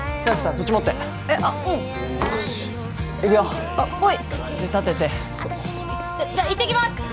そっち持ってえっあっうん行くよあっほい立ててそうじゃ行ってきます！